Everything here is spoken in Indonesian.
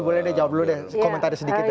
oh boleh dia jawab dulu deh komentari sedikit ya